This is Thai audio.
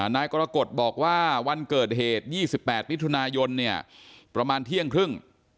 ปรากฏบอกว่าวันเกิดเหตุ๒๘วิธุนายนประมาณเที่ยงครึ่ง